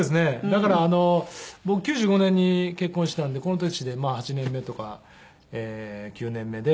だから僕１９９５年に結婚したんでこの年で８年目とか９年目で。